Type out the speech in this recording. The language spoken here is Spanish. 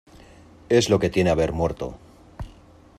es lo que tiene haber muerto.